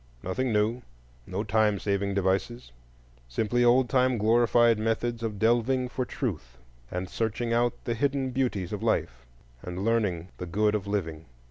Nothing new, no time saving devices,—simply old time glorified methods of delving for Truth, and searching out the hidden beauties of life, and learning the good of living.